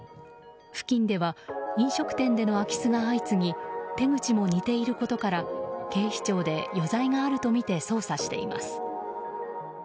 付近では飲食店での空き巣が相次ぎ手口も似ていることから警視庁で余罪があるとみて捜査しています。